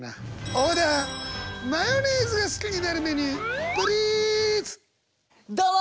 オーダーマヨネーズが好きになるメニューどうも！